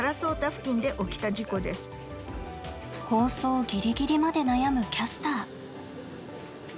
放送ギリギリまで悩むキャスター。